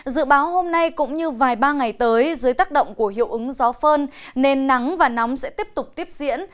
dự báo hôm nay cũng như vài ba ngày tới dưới tác động của hiệu ứng gió phơn nên nắng và nóng sẽ tiếp tục tiếp diễn